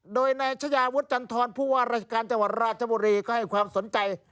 โดยนายชายาวุฒิจันทรผู้ว่าราชการจังหวัดราชบุรีก็ให้ความสนใจ